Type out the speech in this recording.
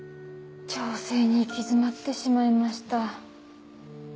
調整に行き詰まってしまいました。